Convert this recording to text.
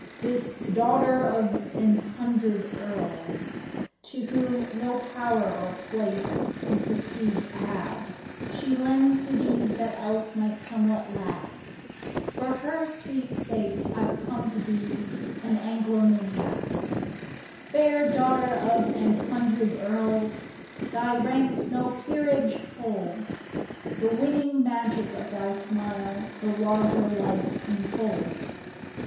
This " daughter of an hundred earls," To whom no power or place Can prestige add — she lends to these That else might somewhat lack — For her sweet sake I 've come to be An Anglomaniac. 89 ANOTHER ANGLOMANIAS Fair Daughter of an Hundred Earls ! Thy rank no peerage holds, The winning magic of thy smile The larger life enfolds.